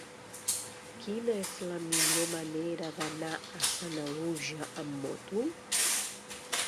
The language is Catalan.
Quina és la millor manera d'anar a Sanaüja amb moto?